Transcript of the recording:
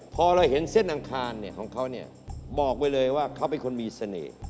พอเราเห็นเส้นอังคารของเขาบอกไว้เลยว่าเขาเป็นคนมีเสน่ห์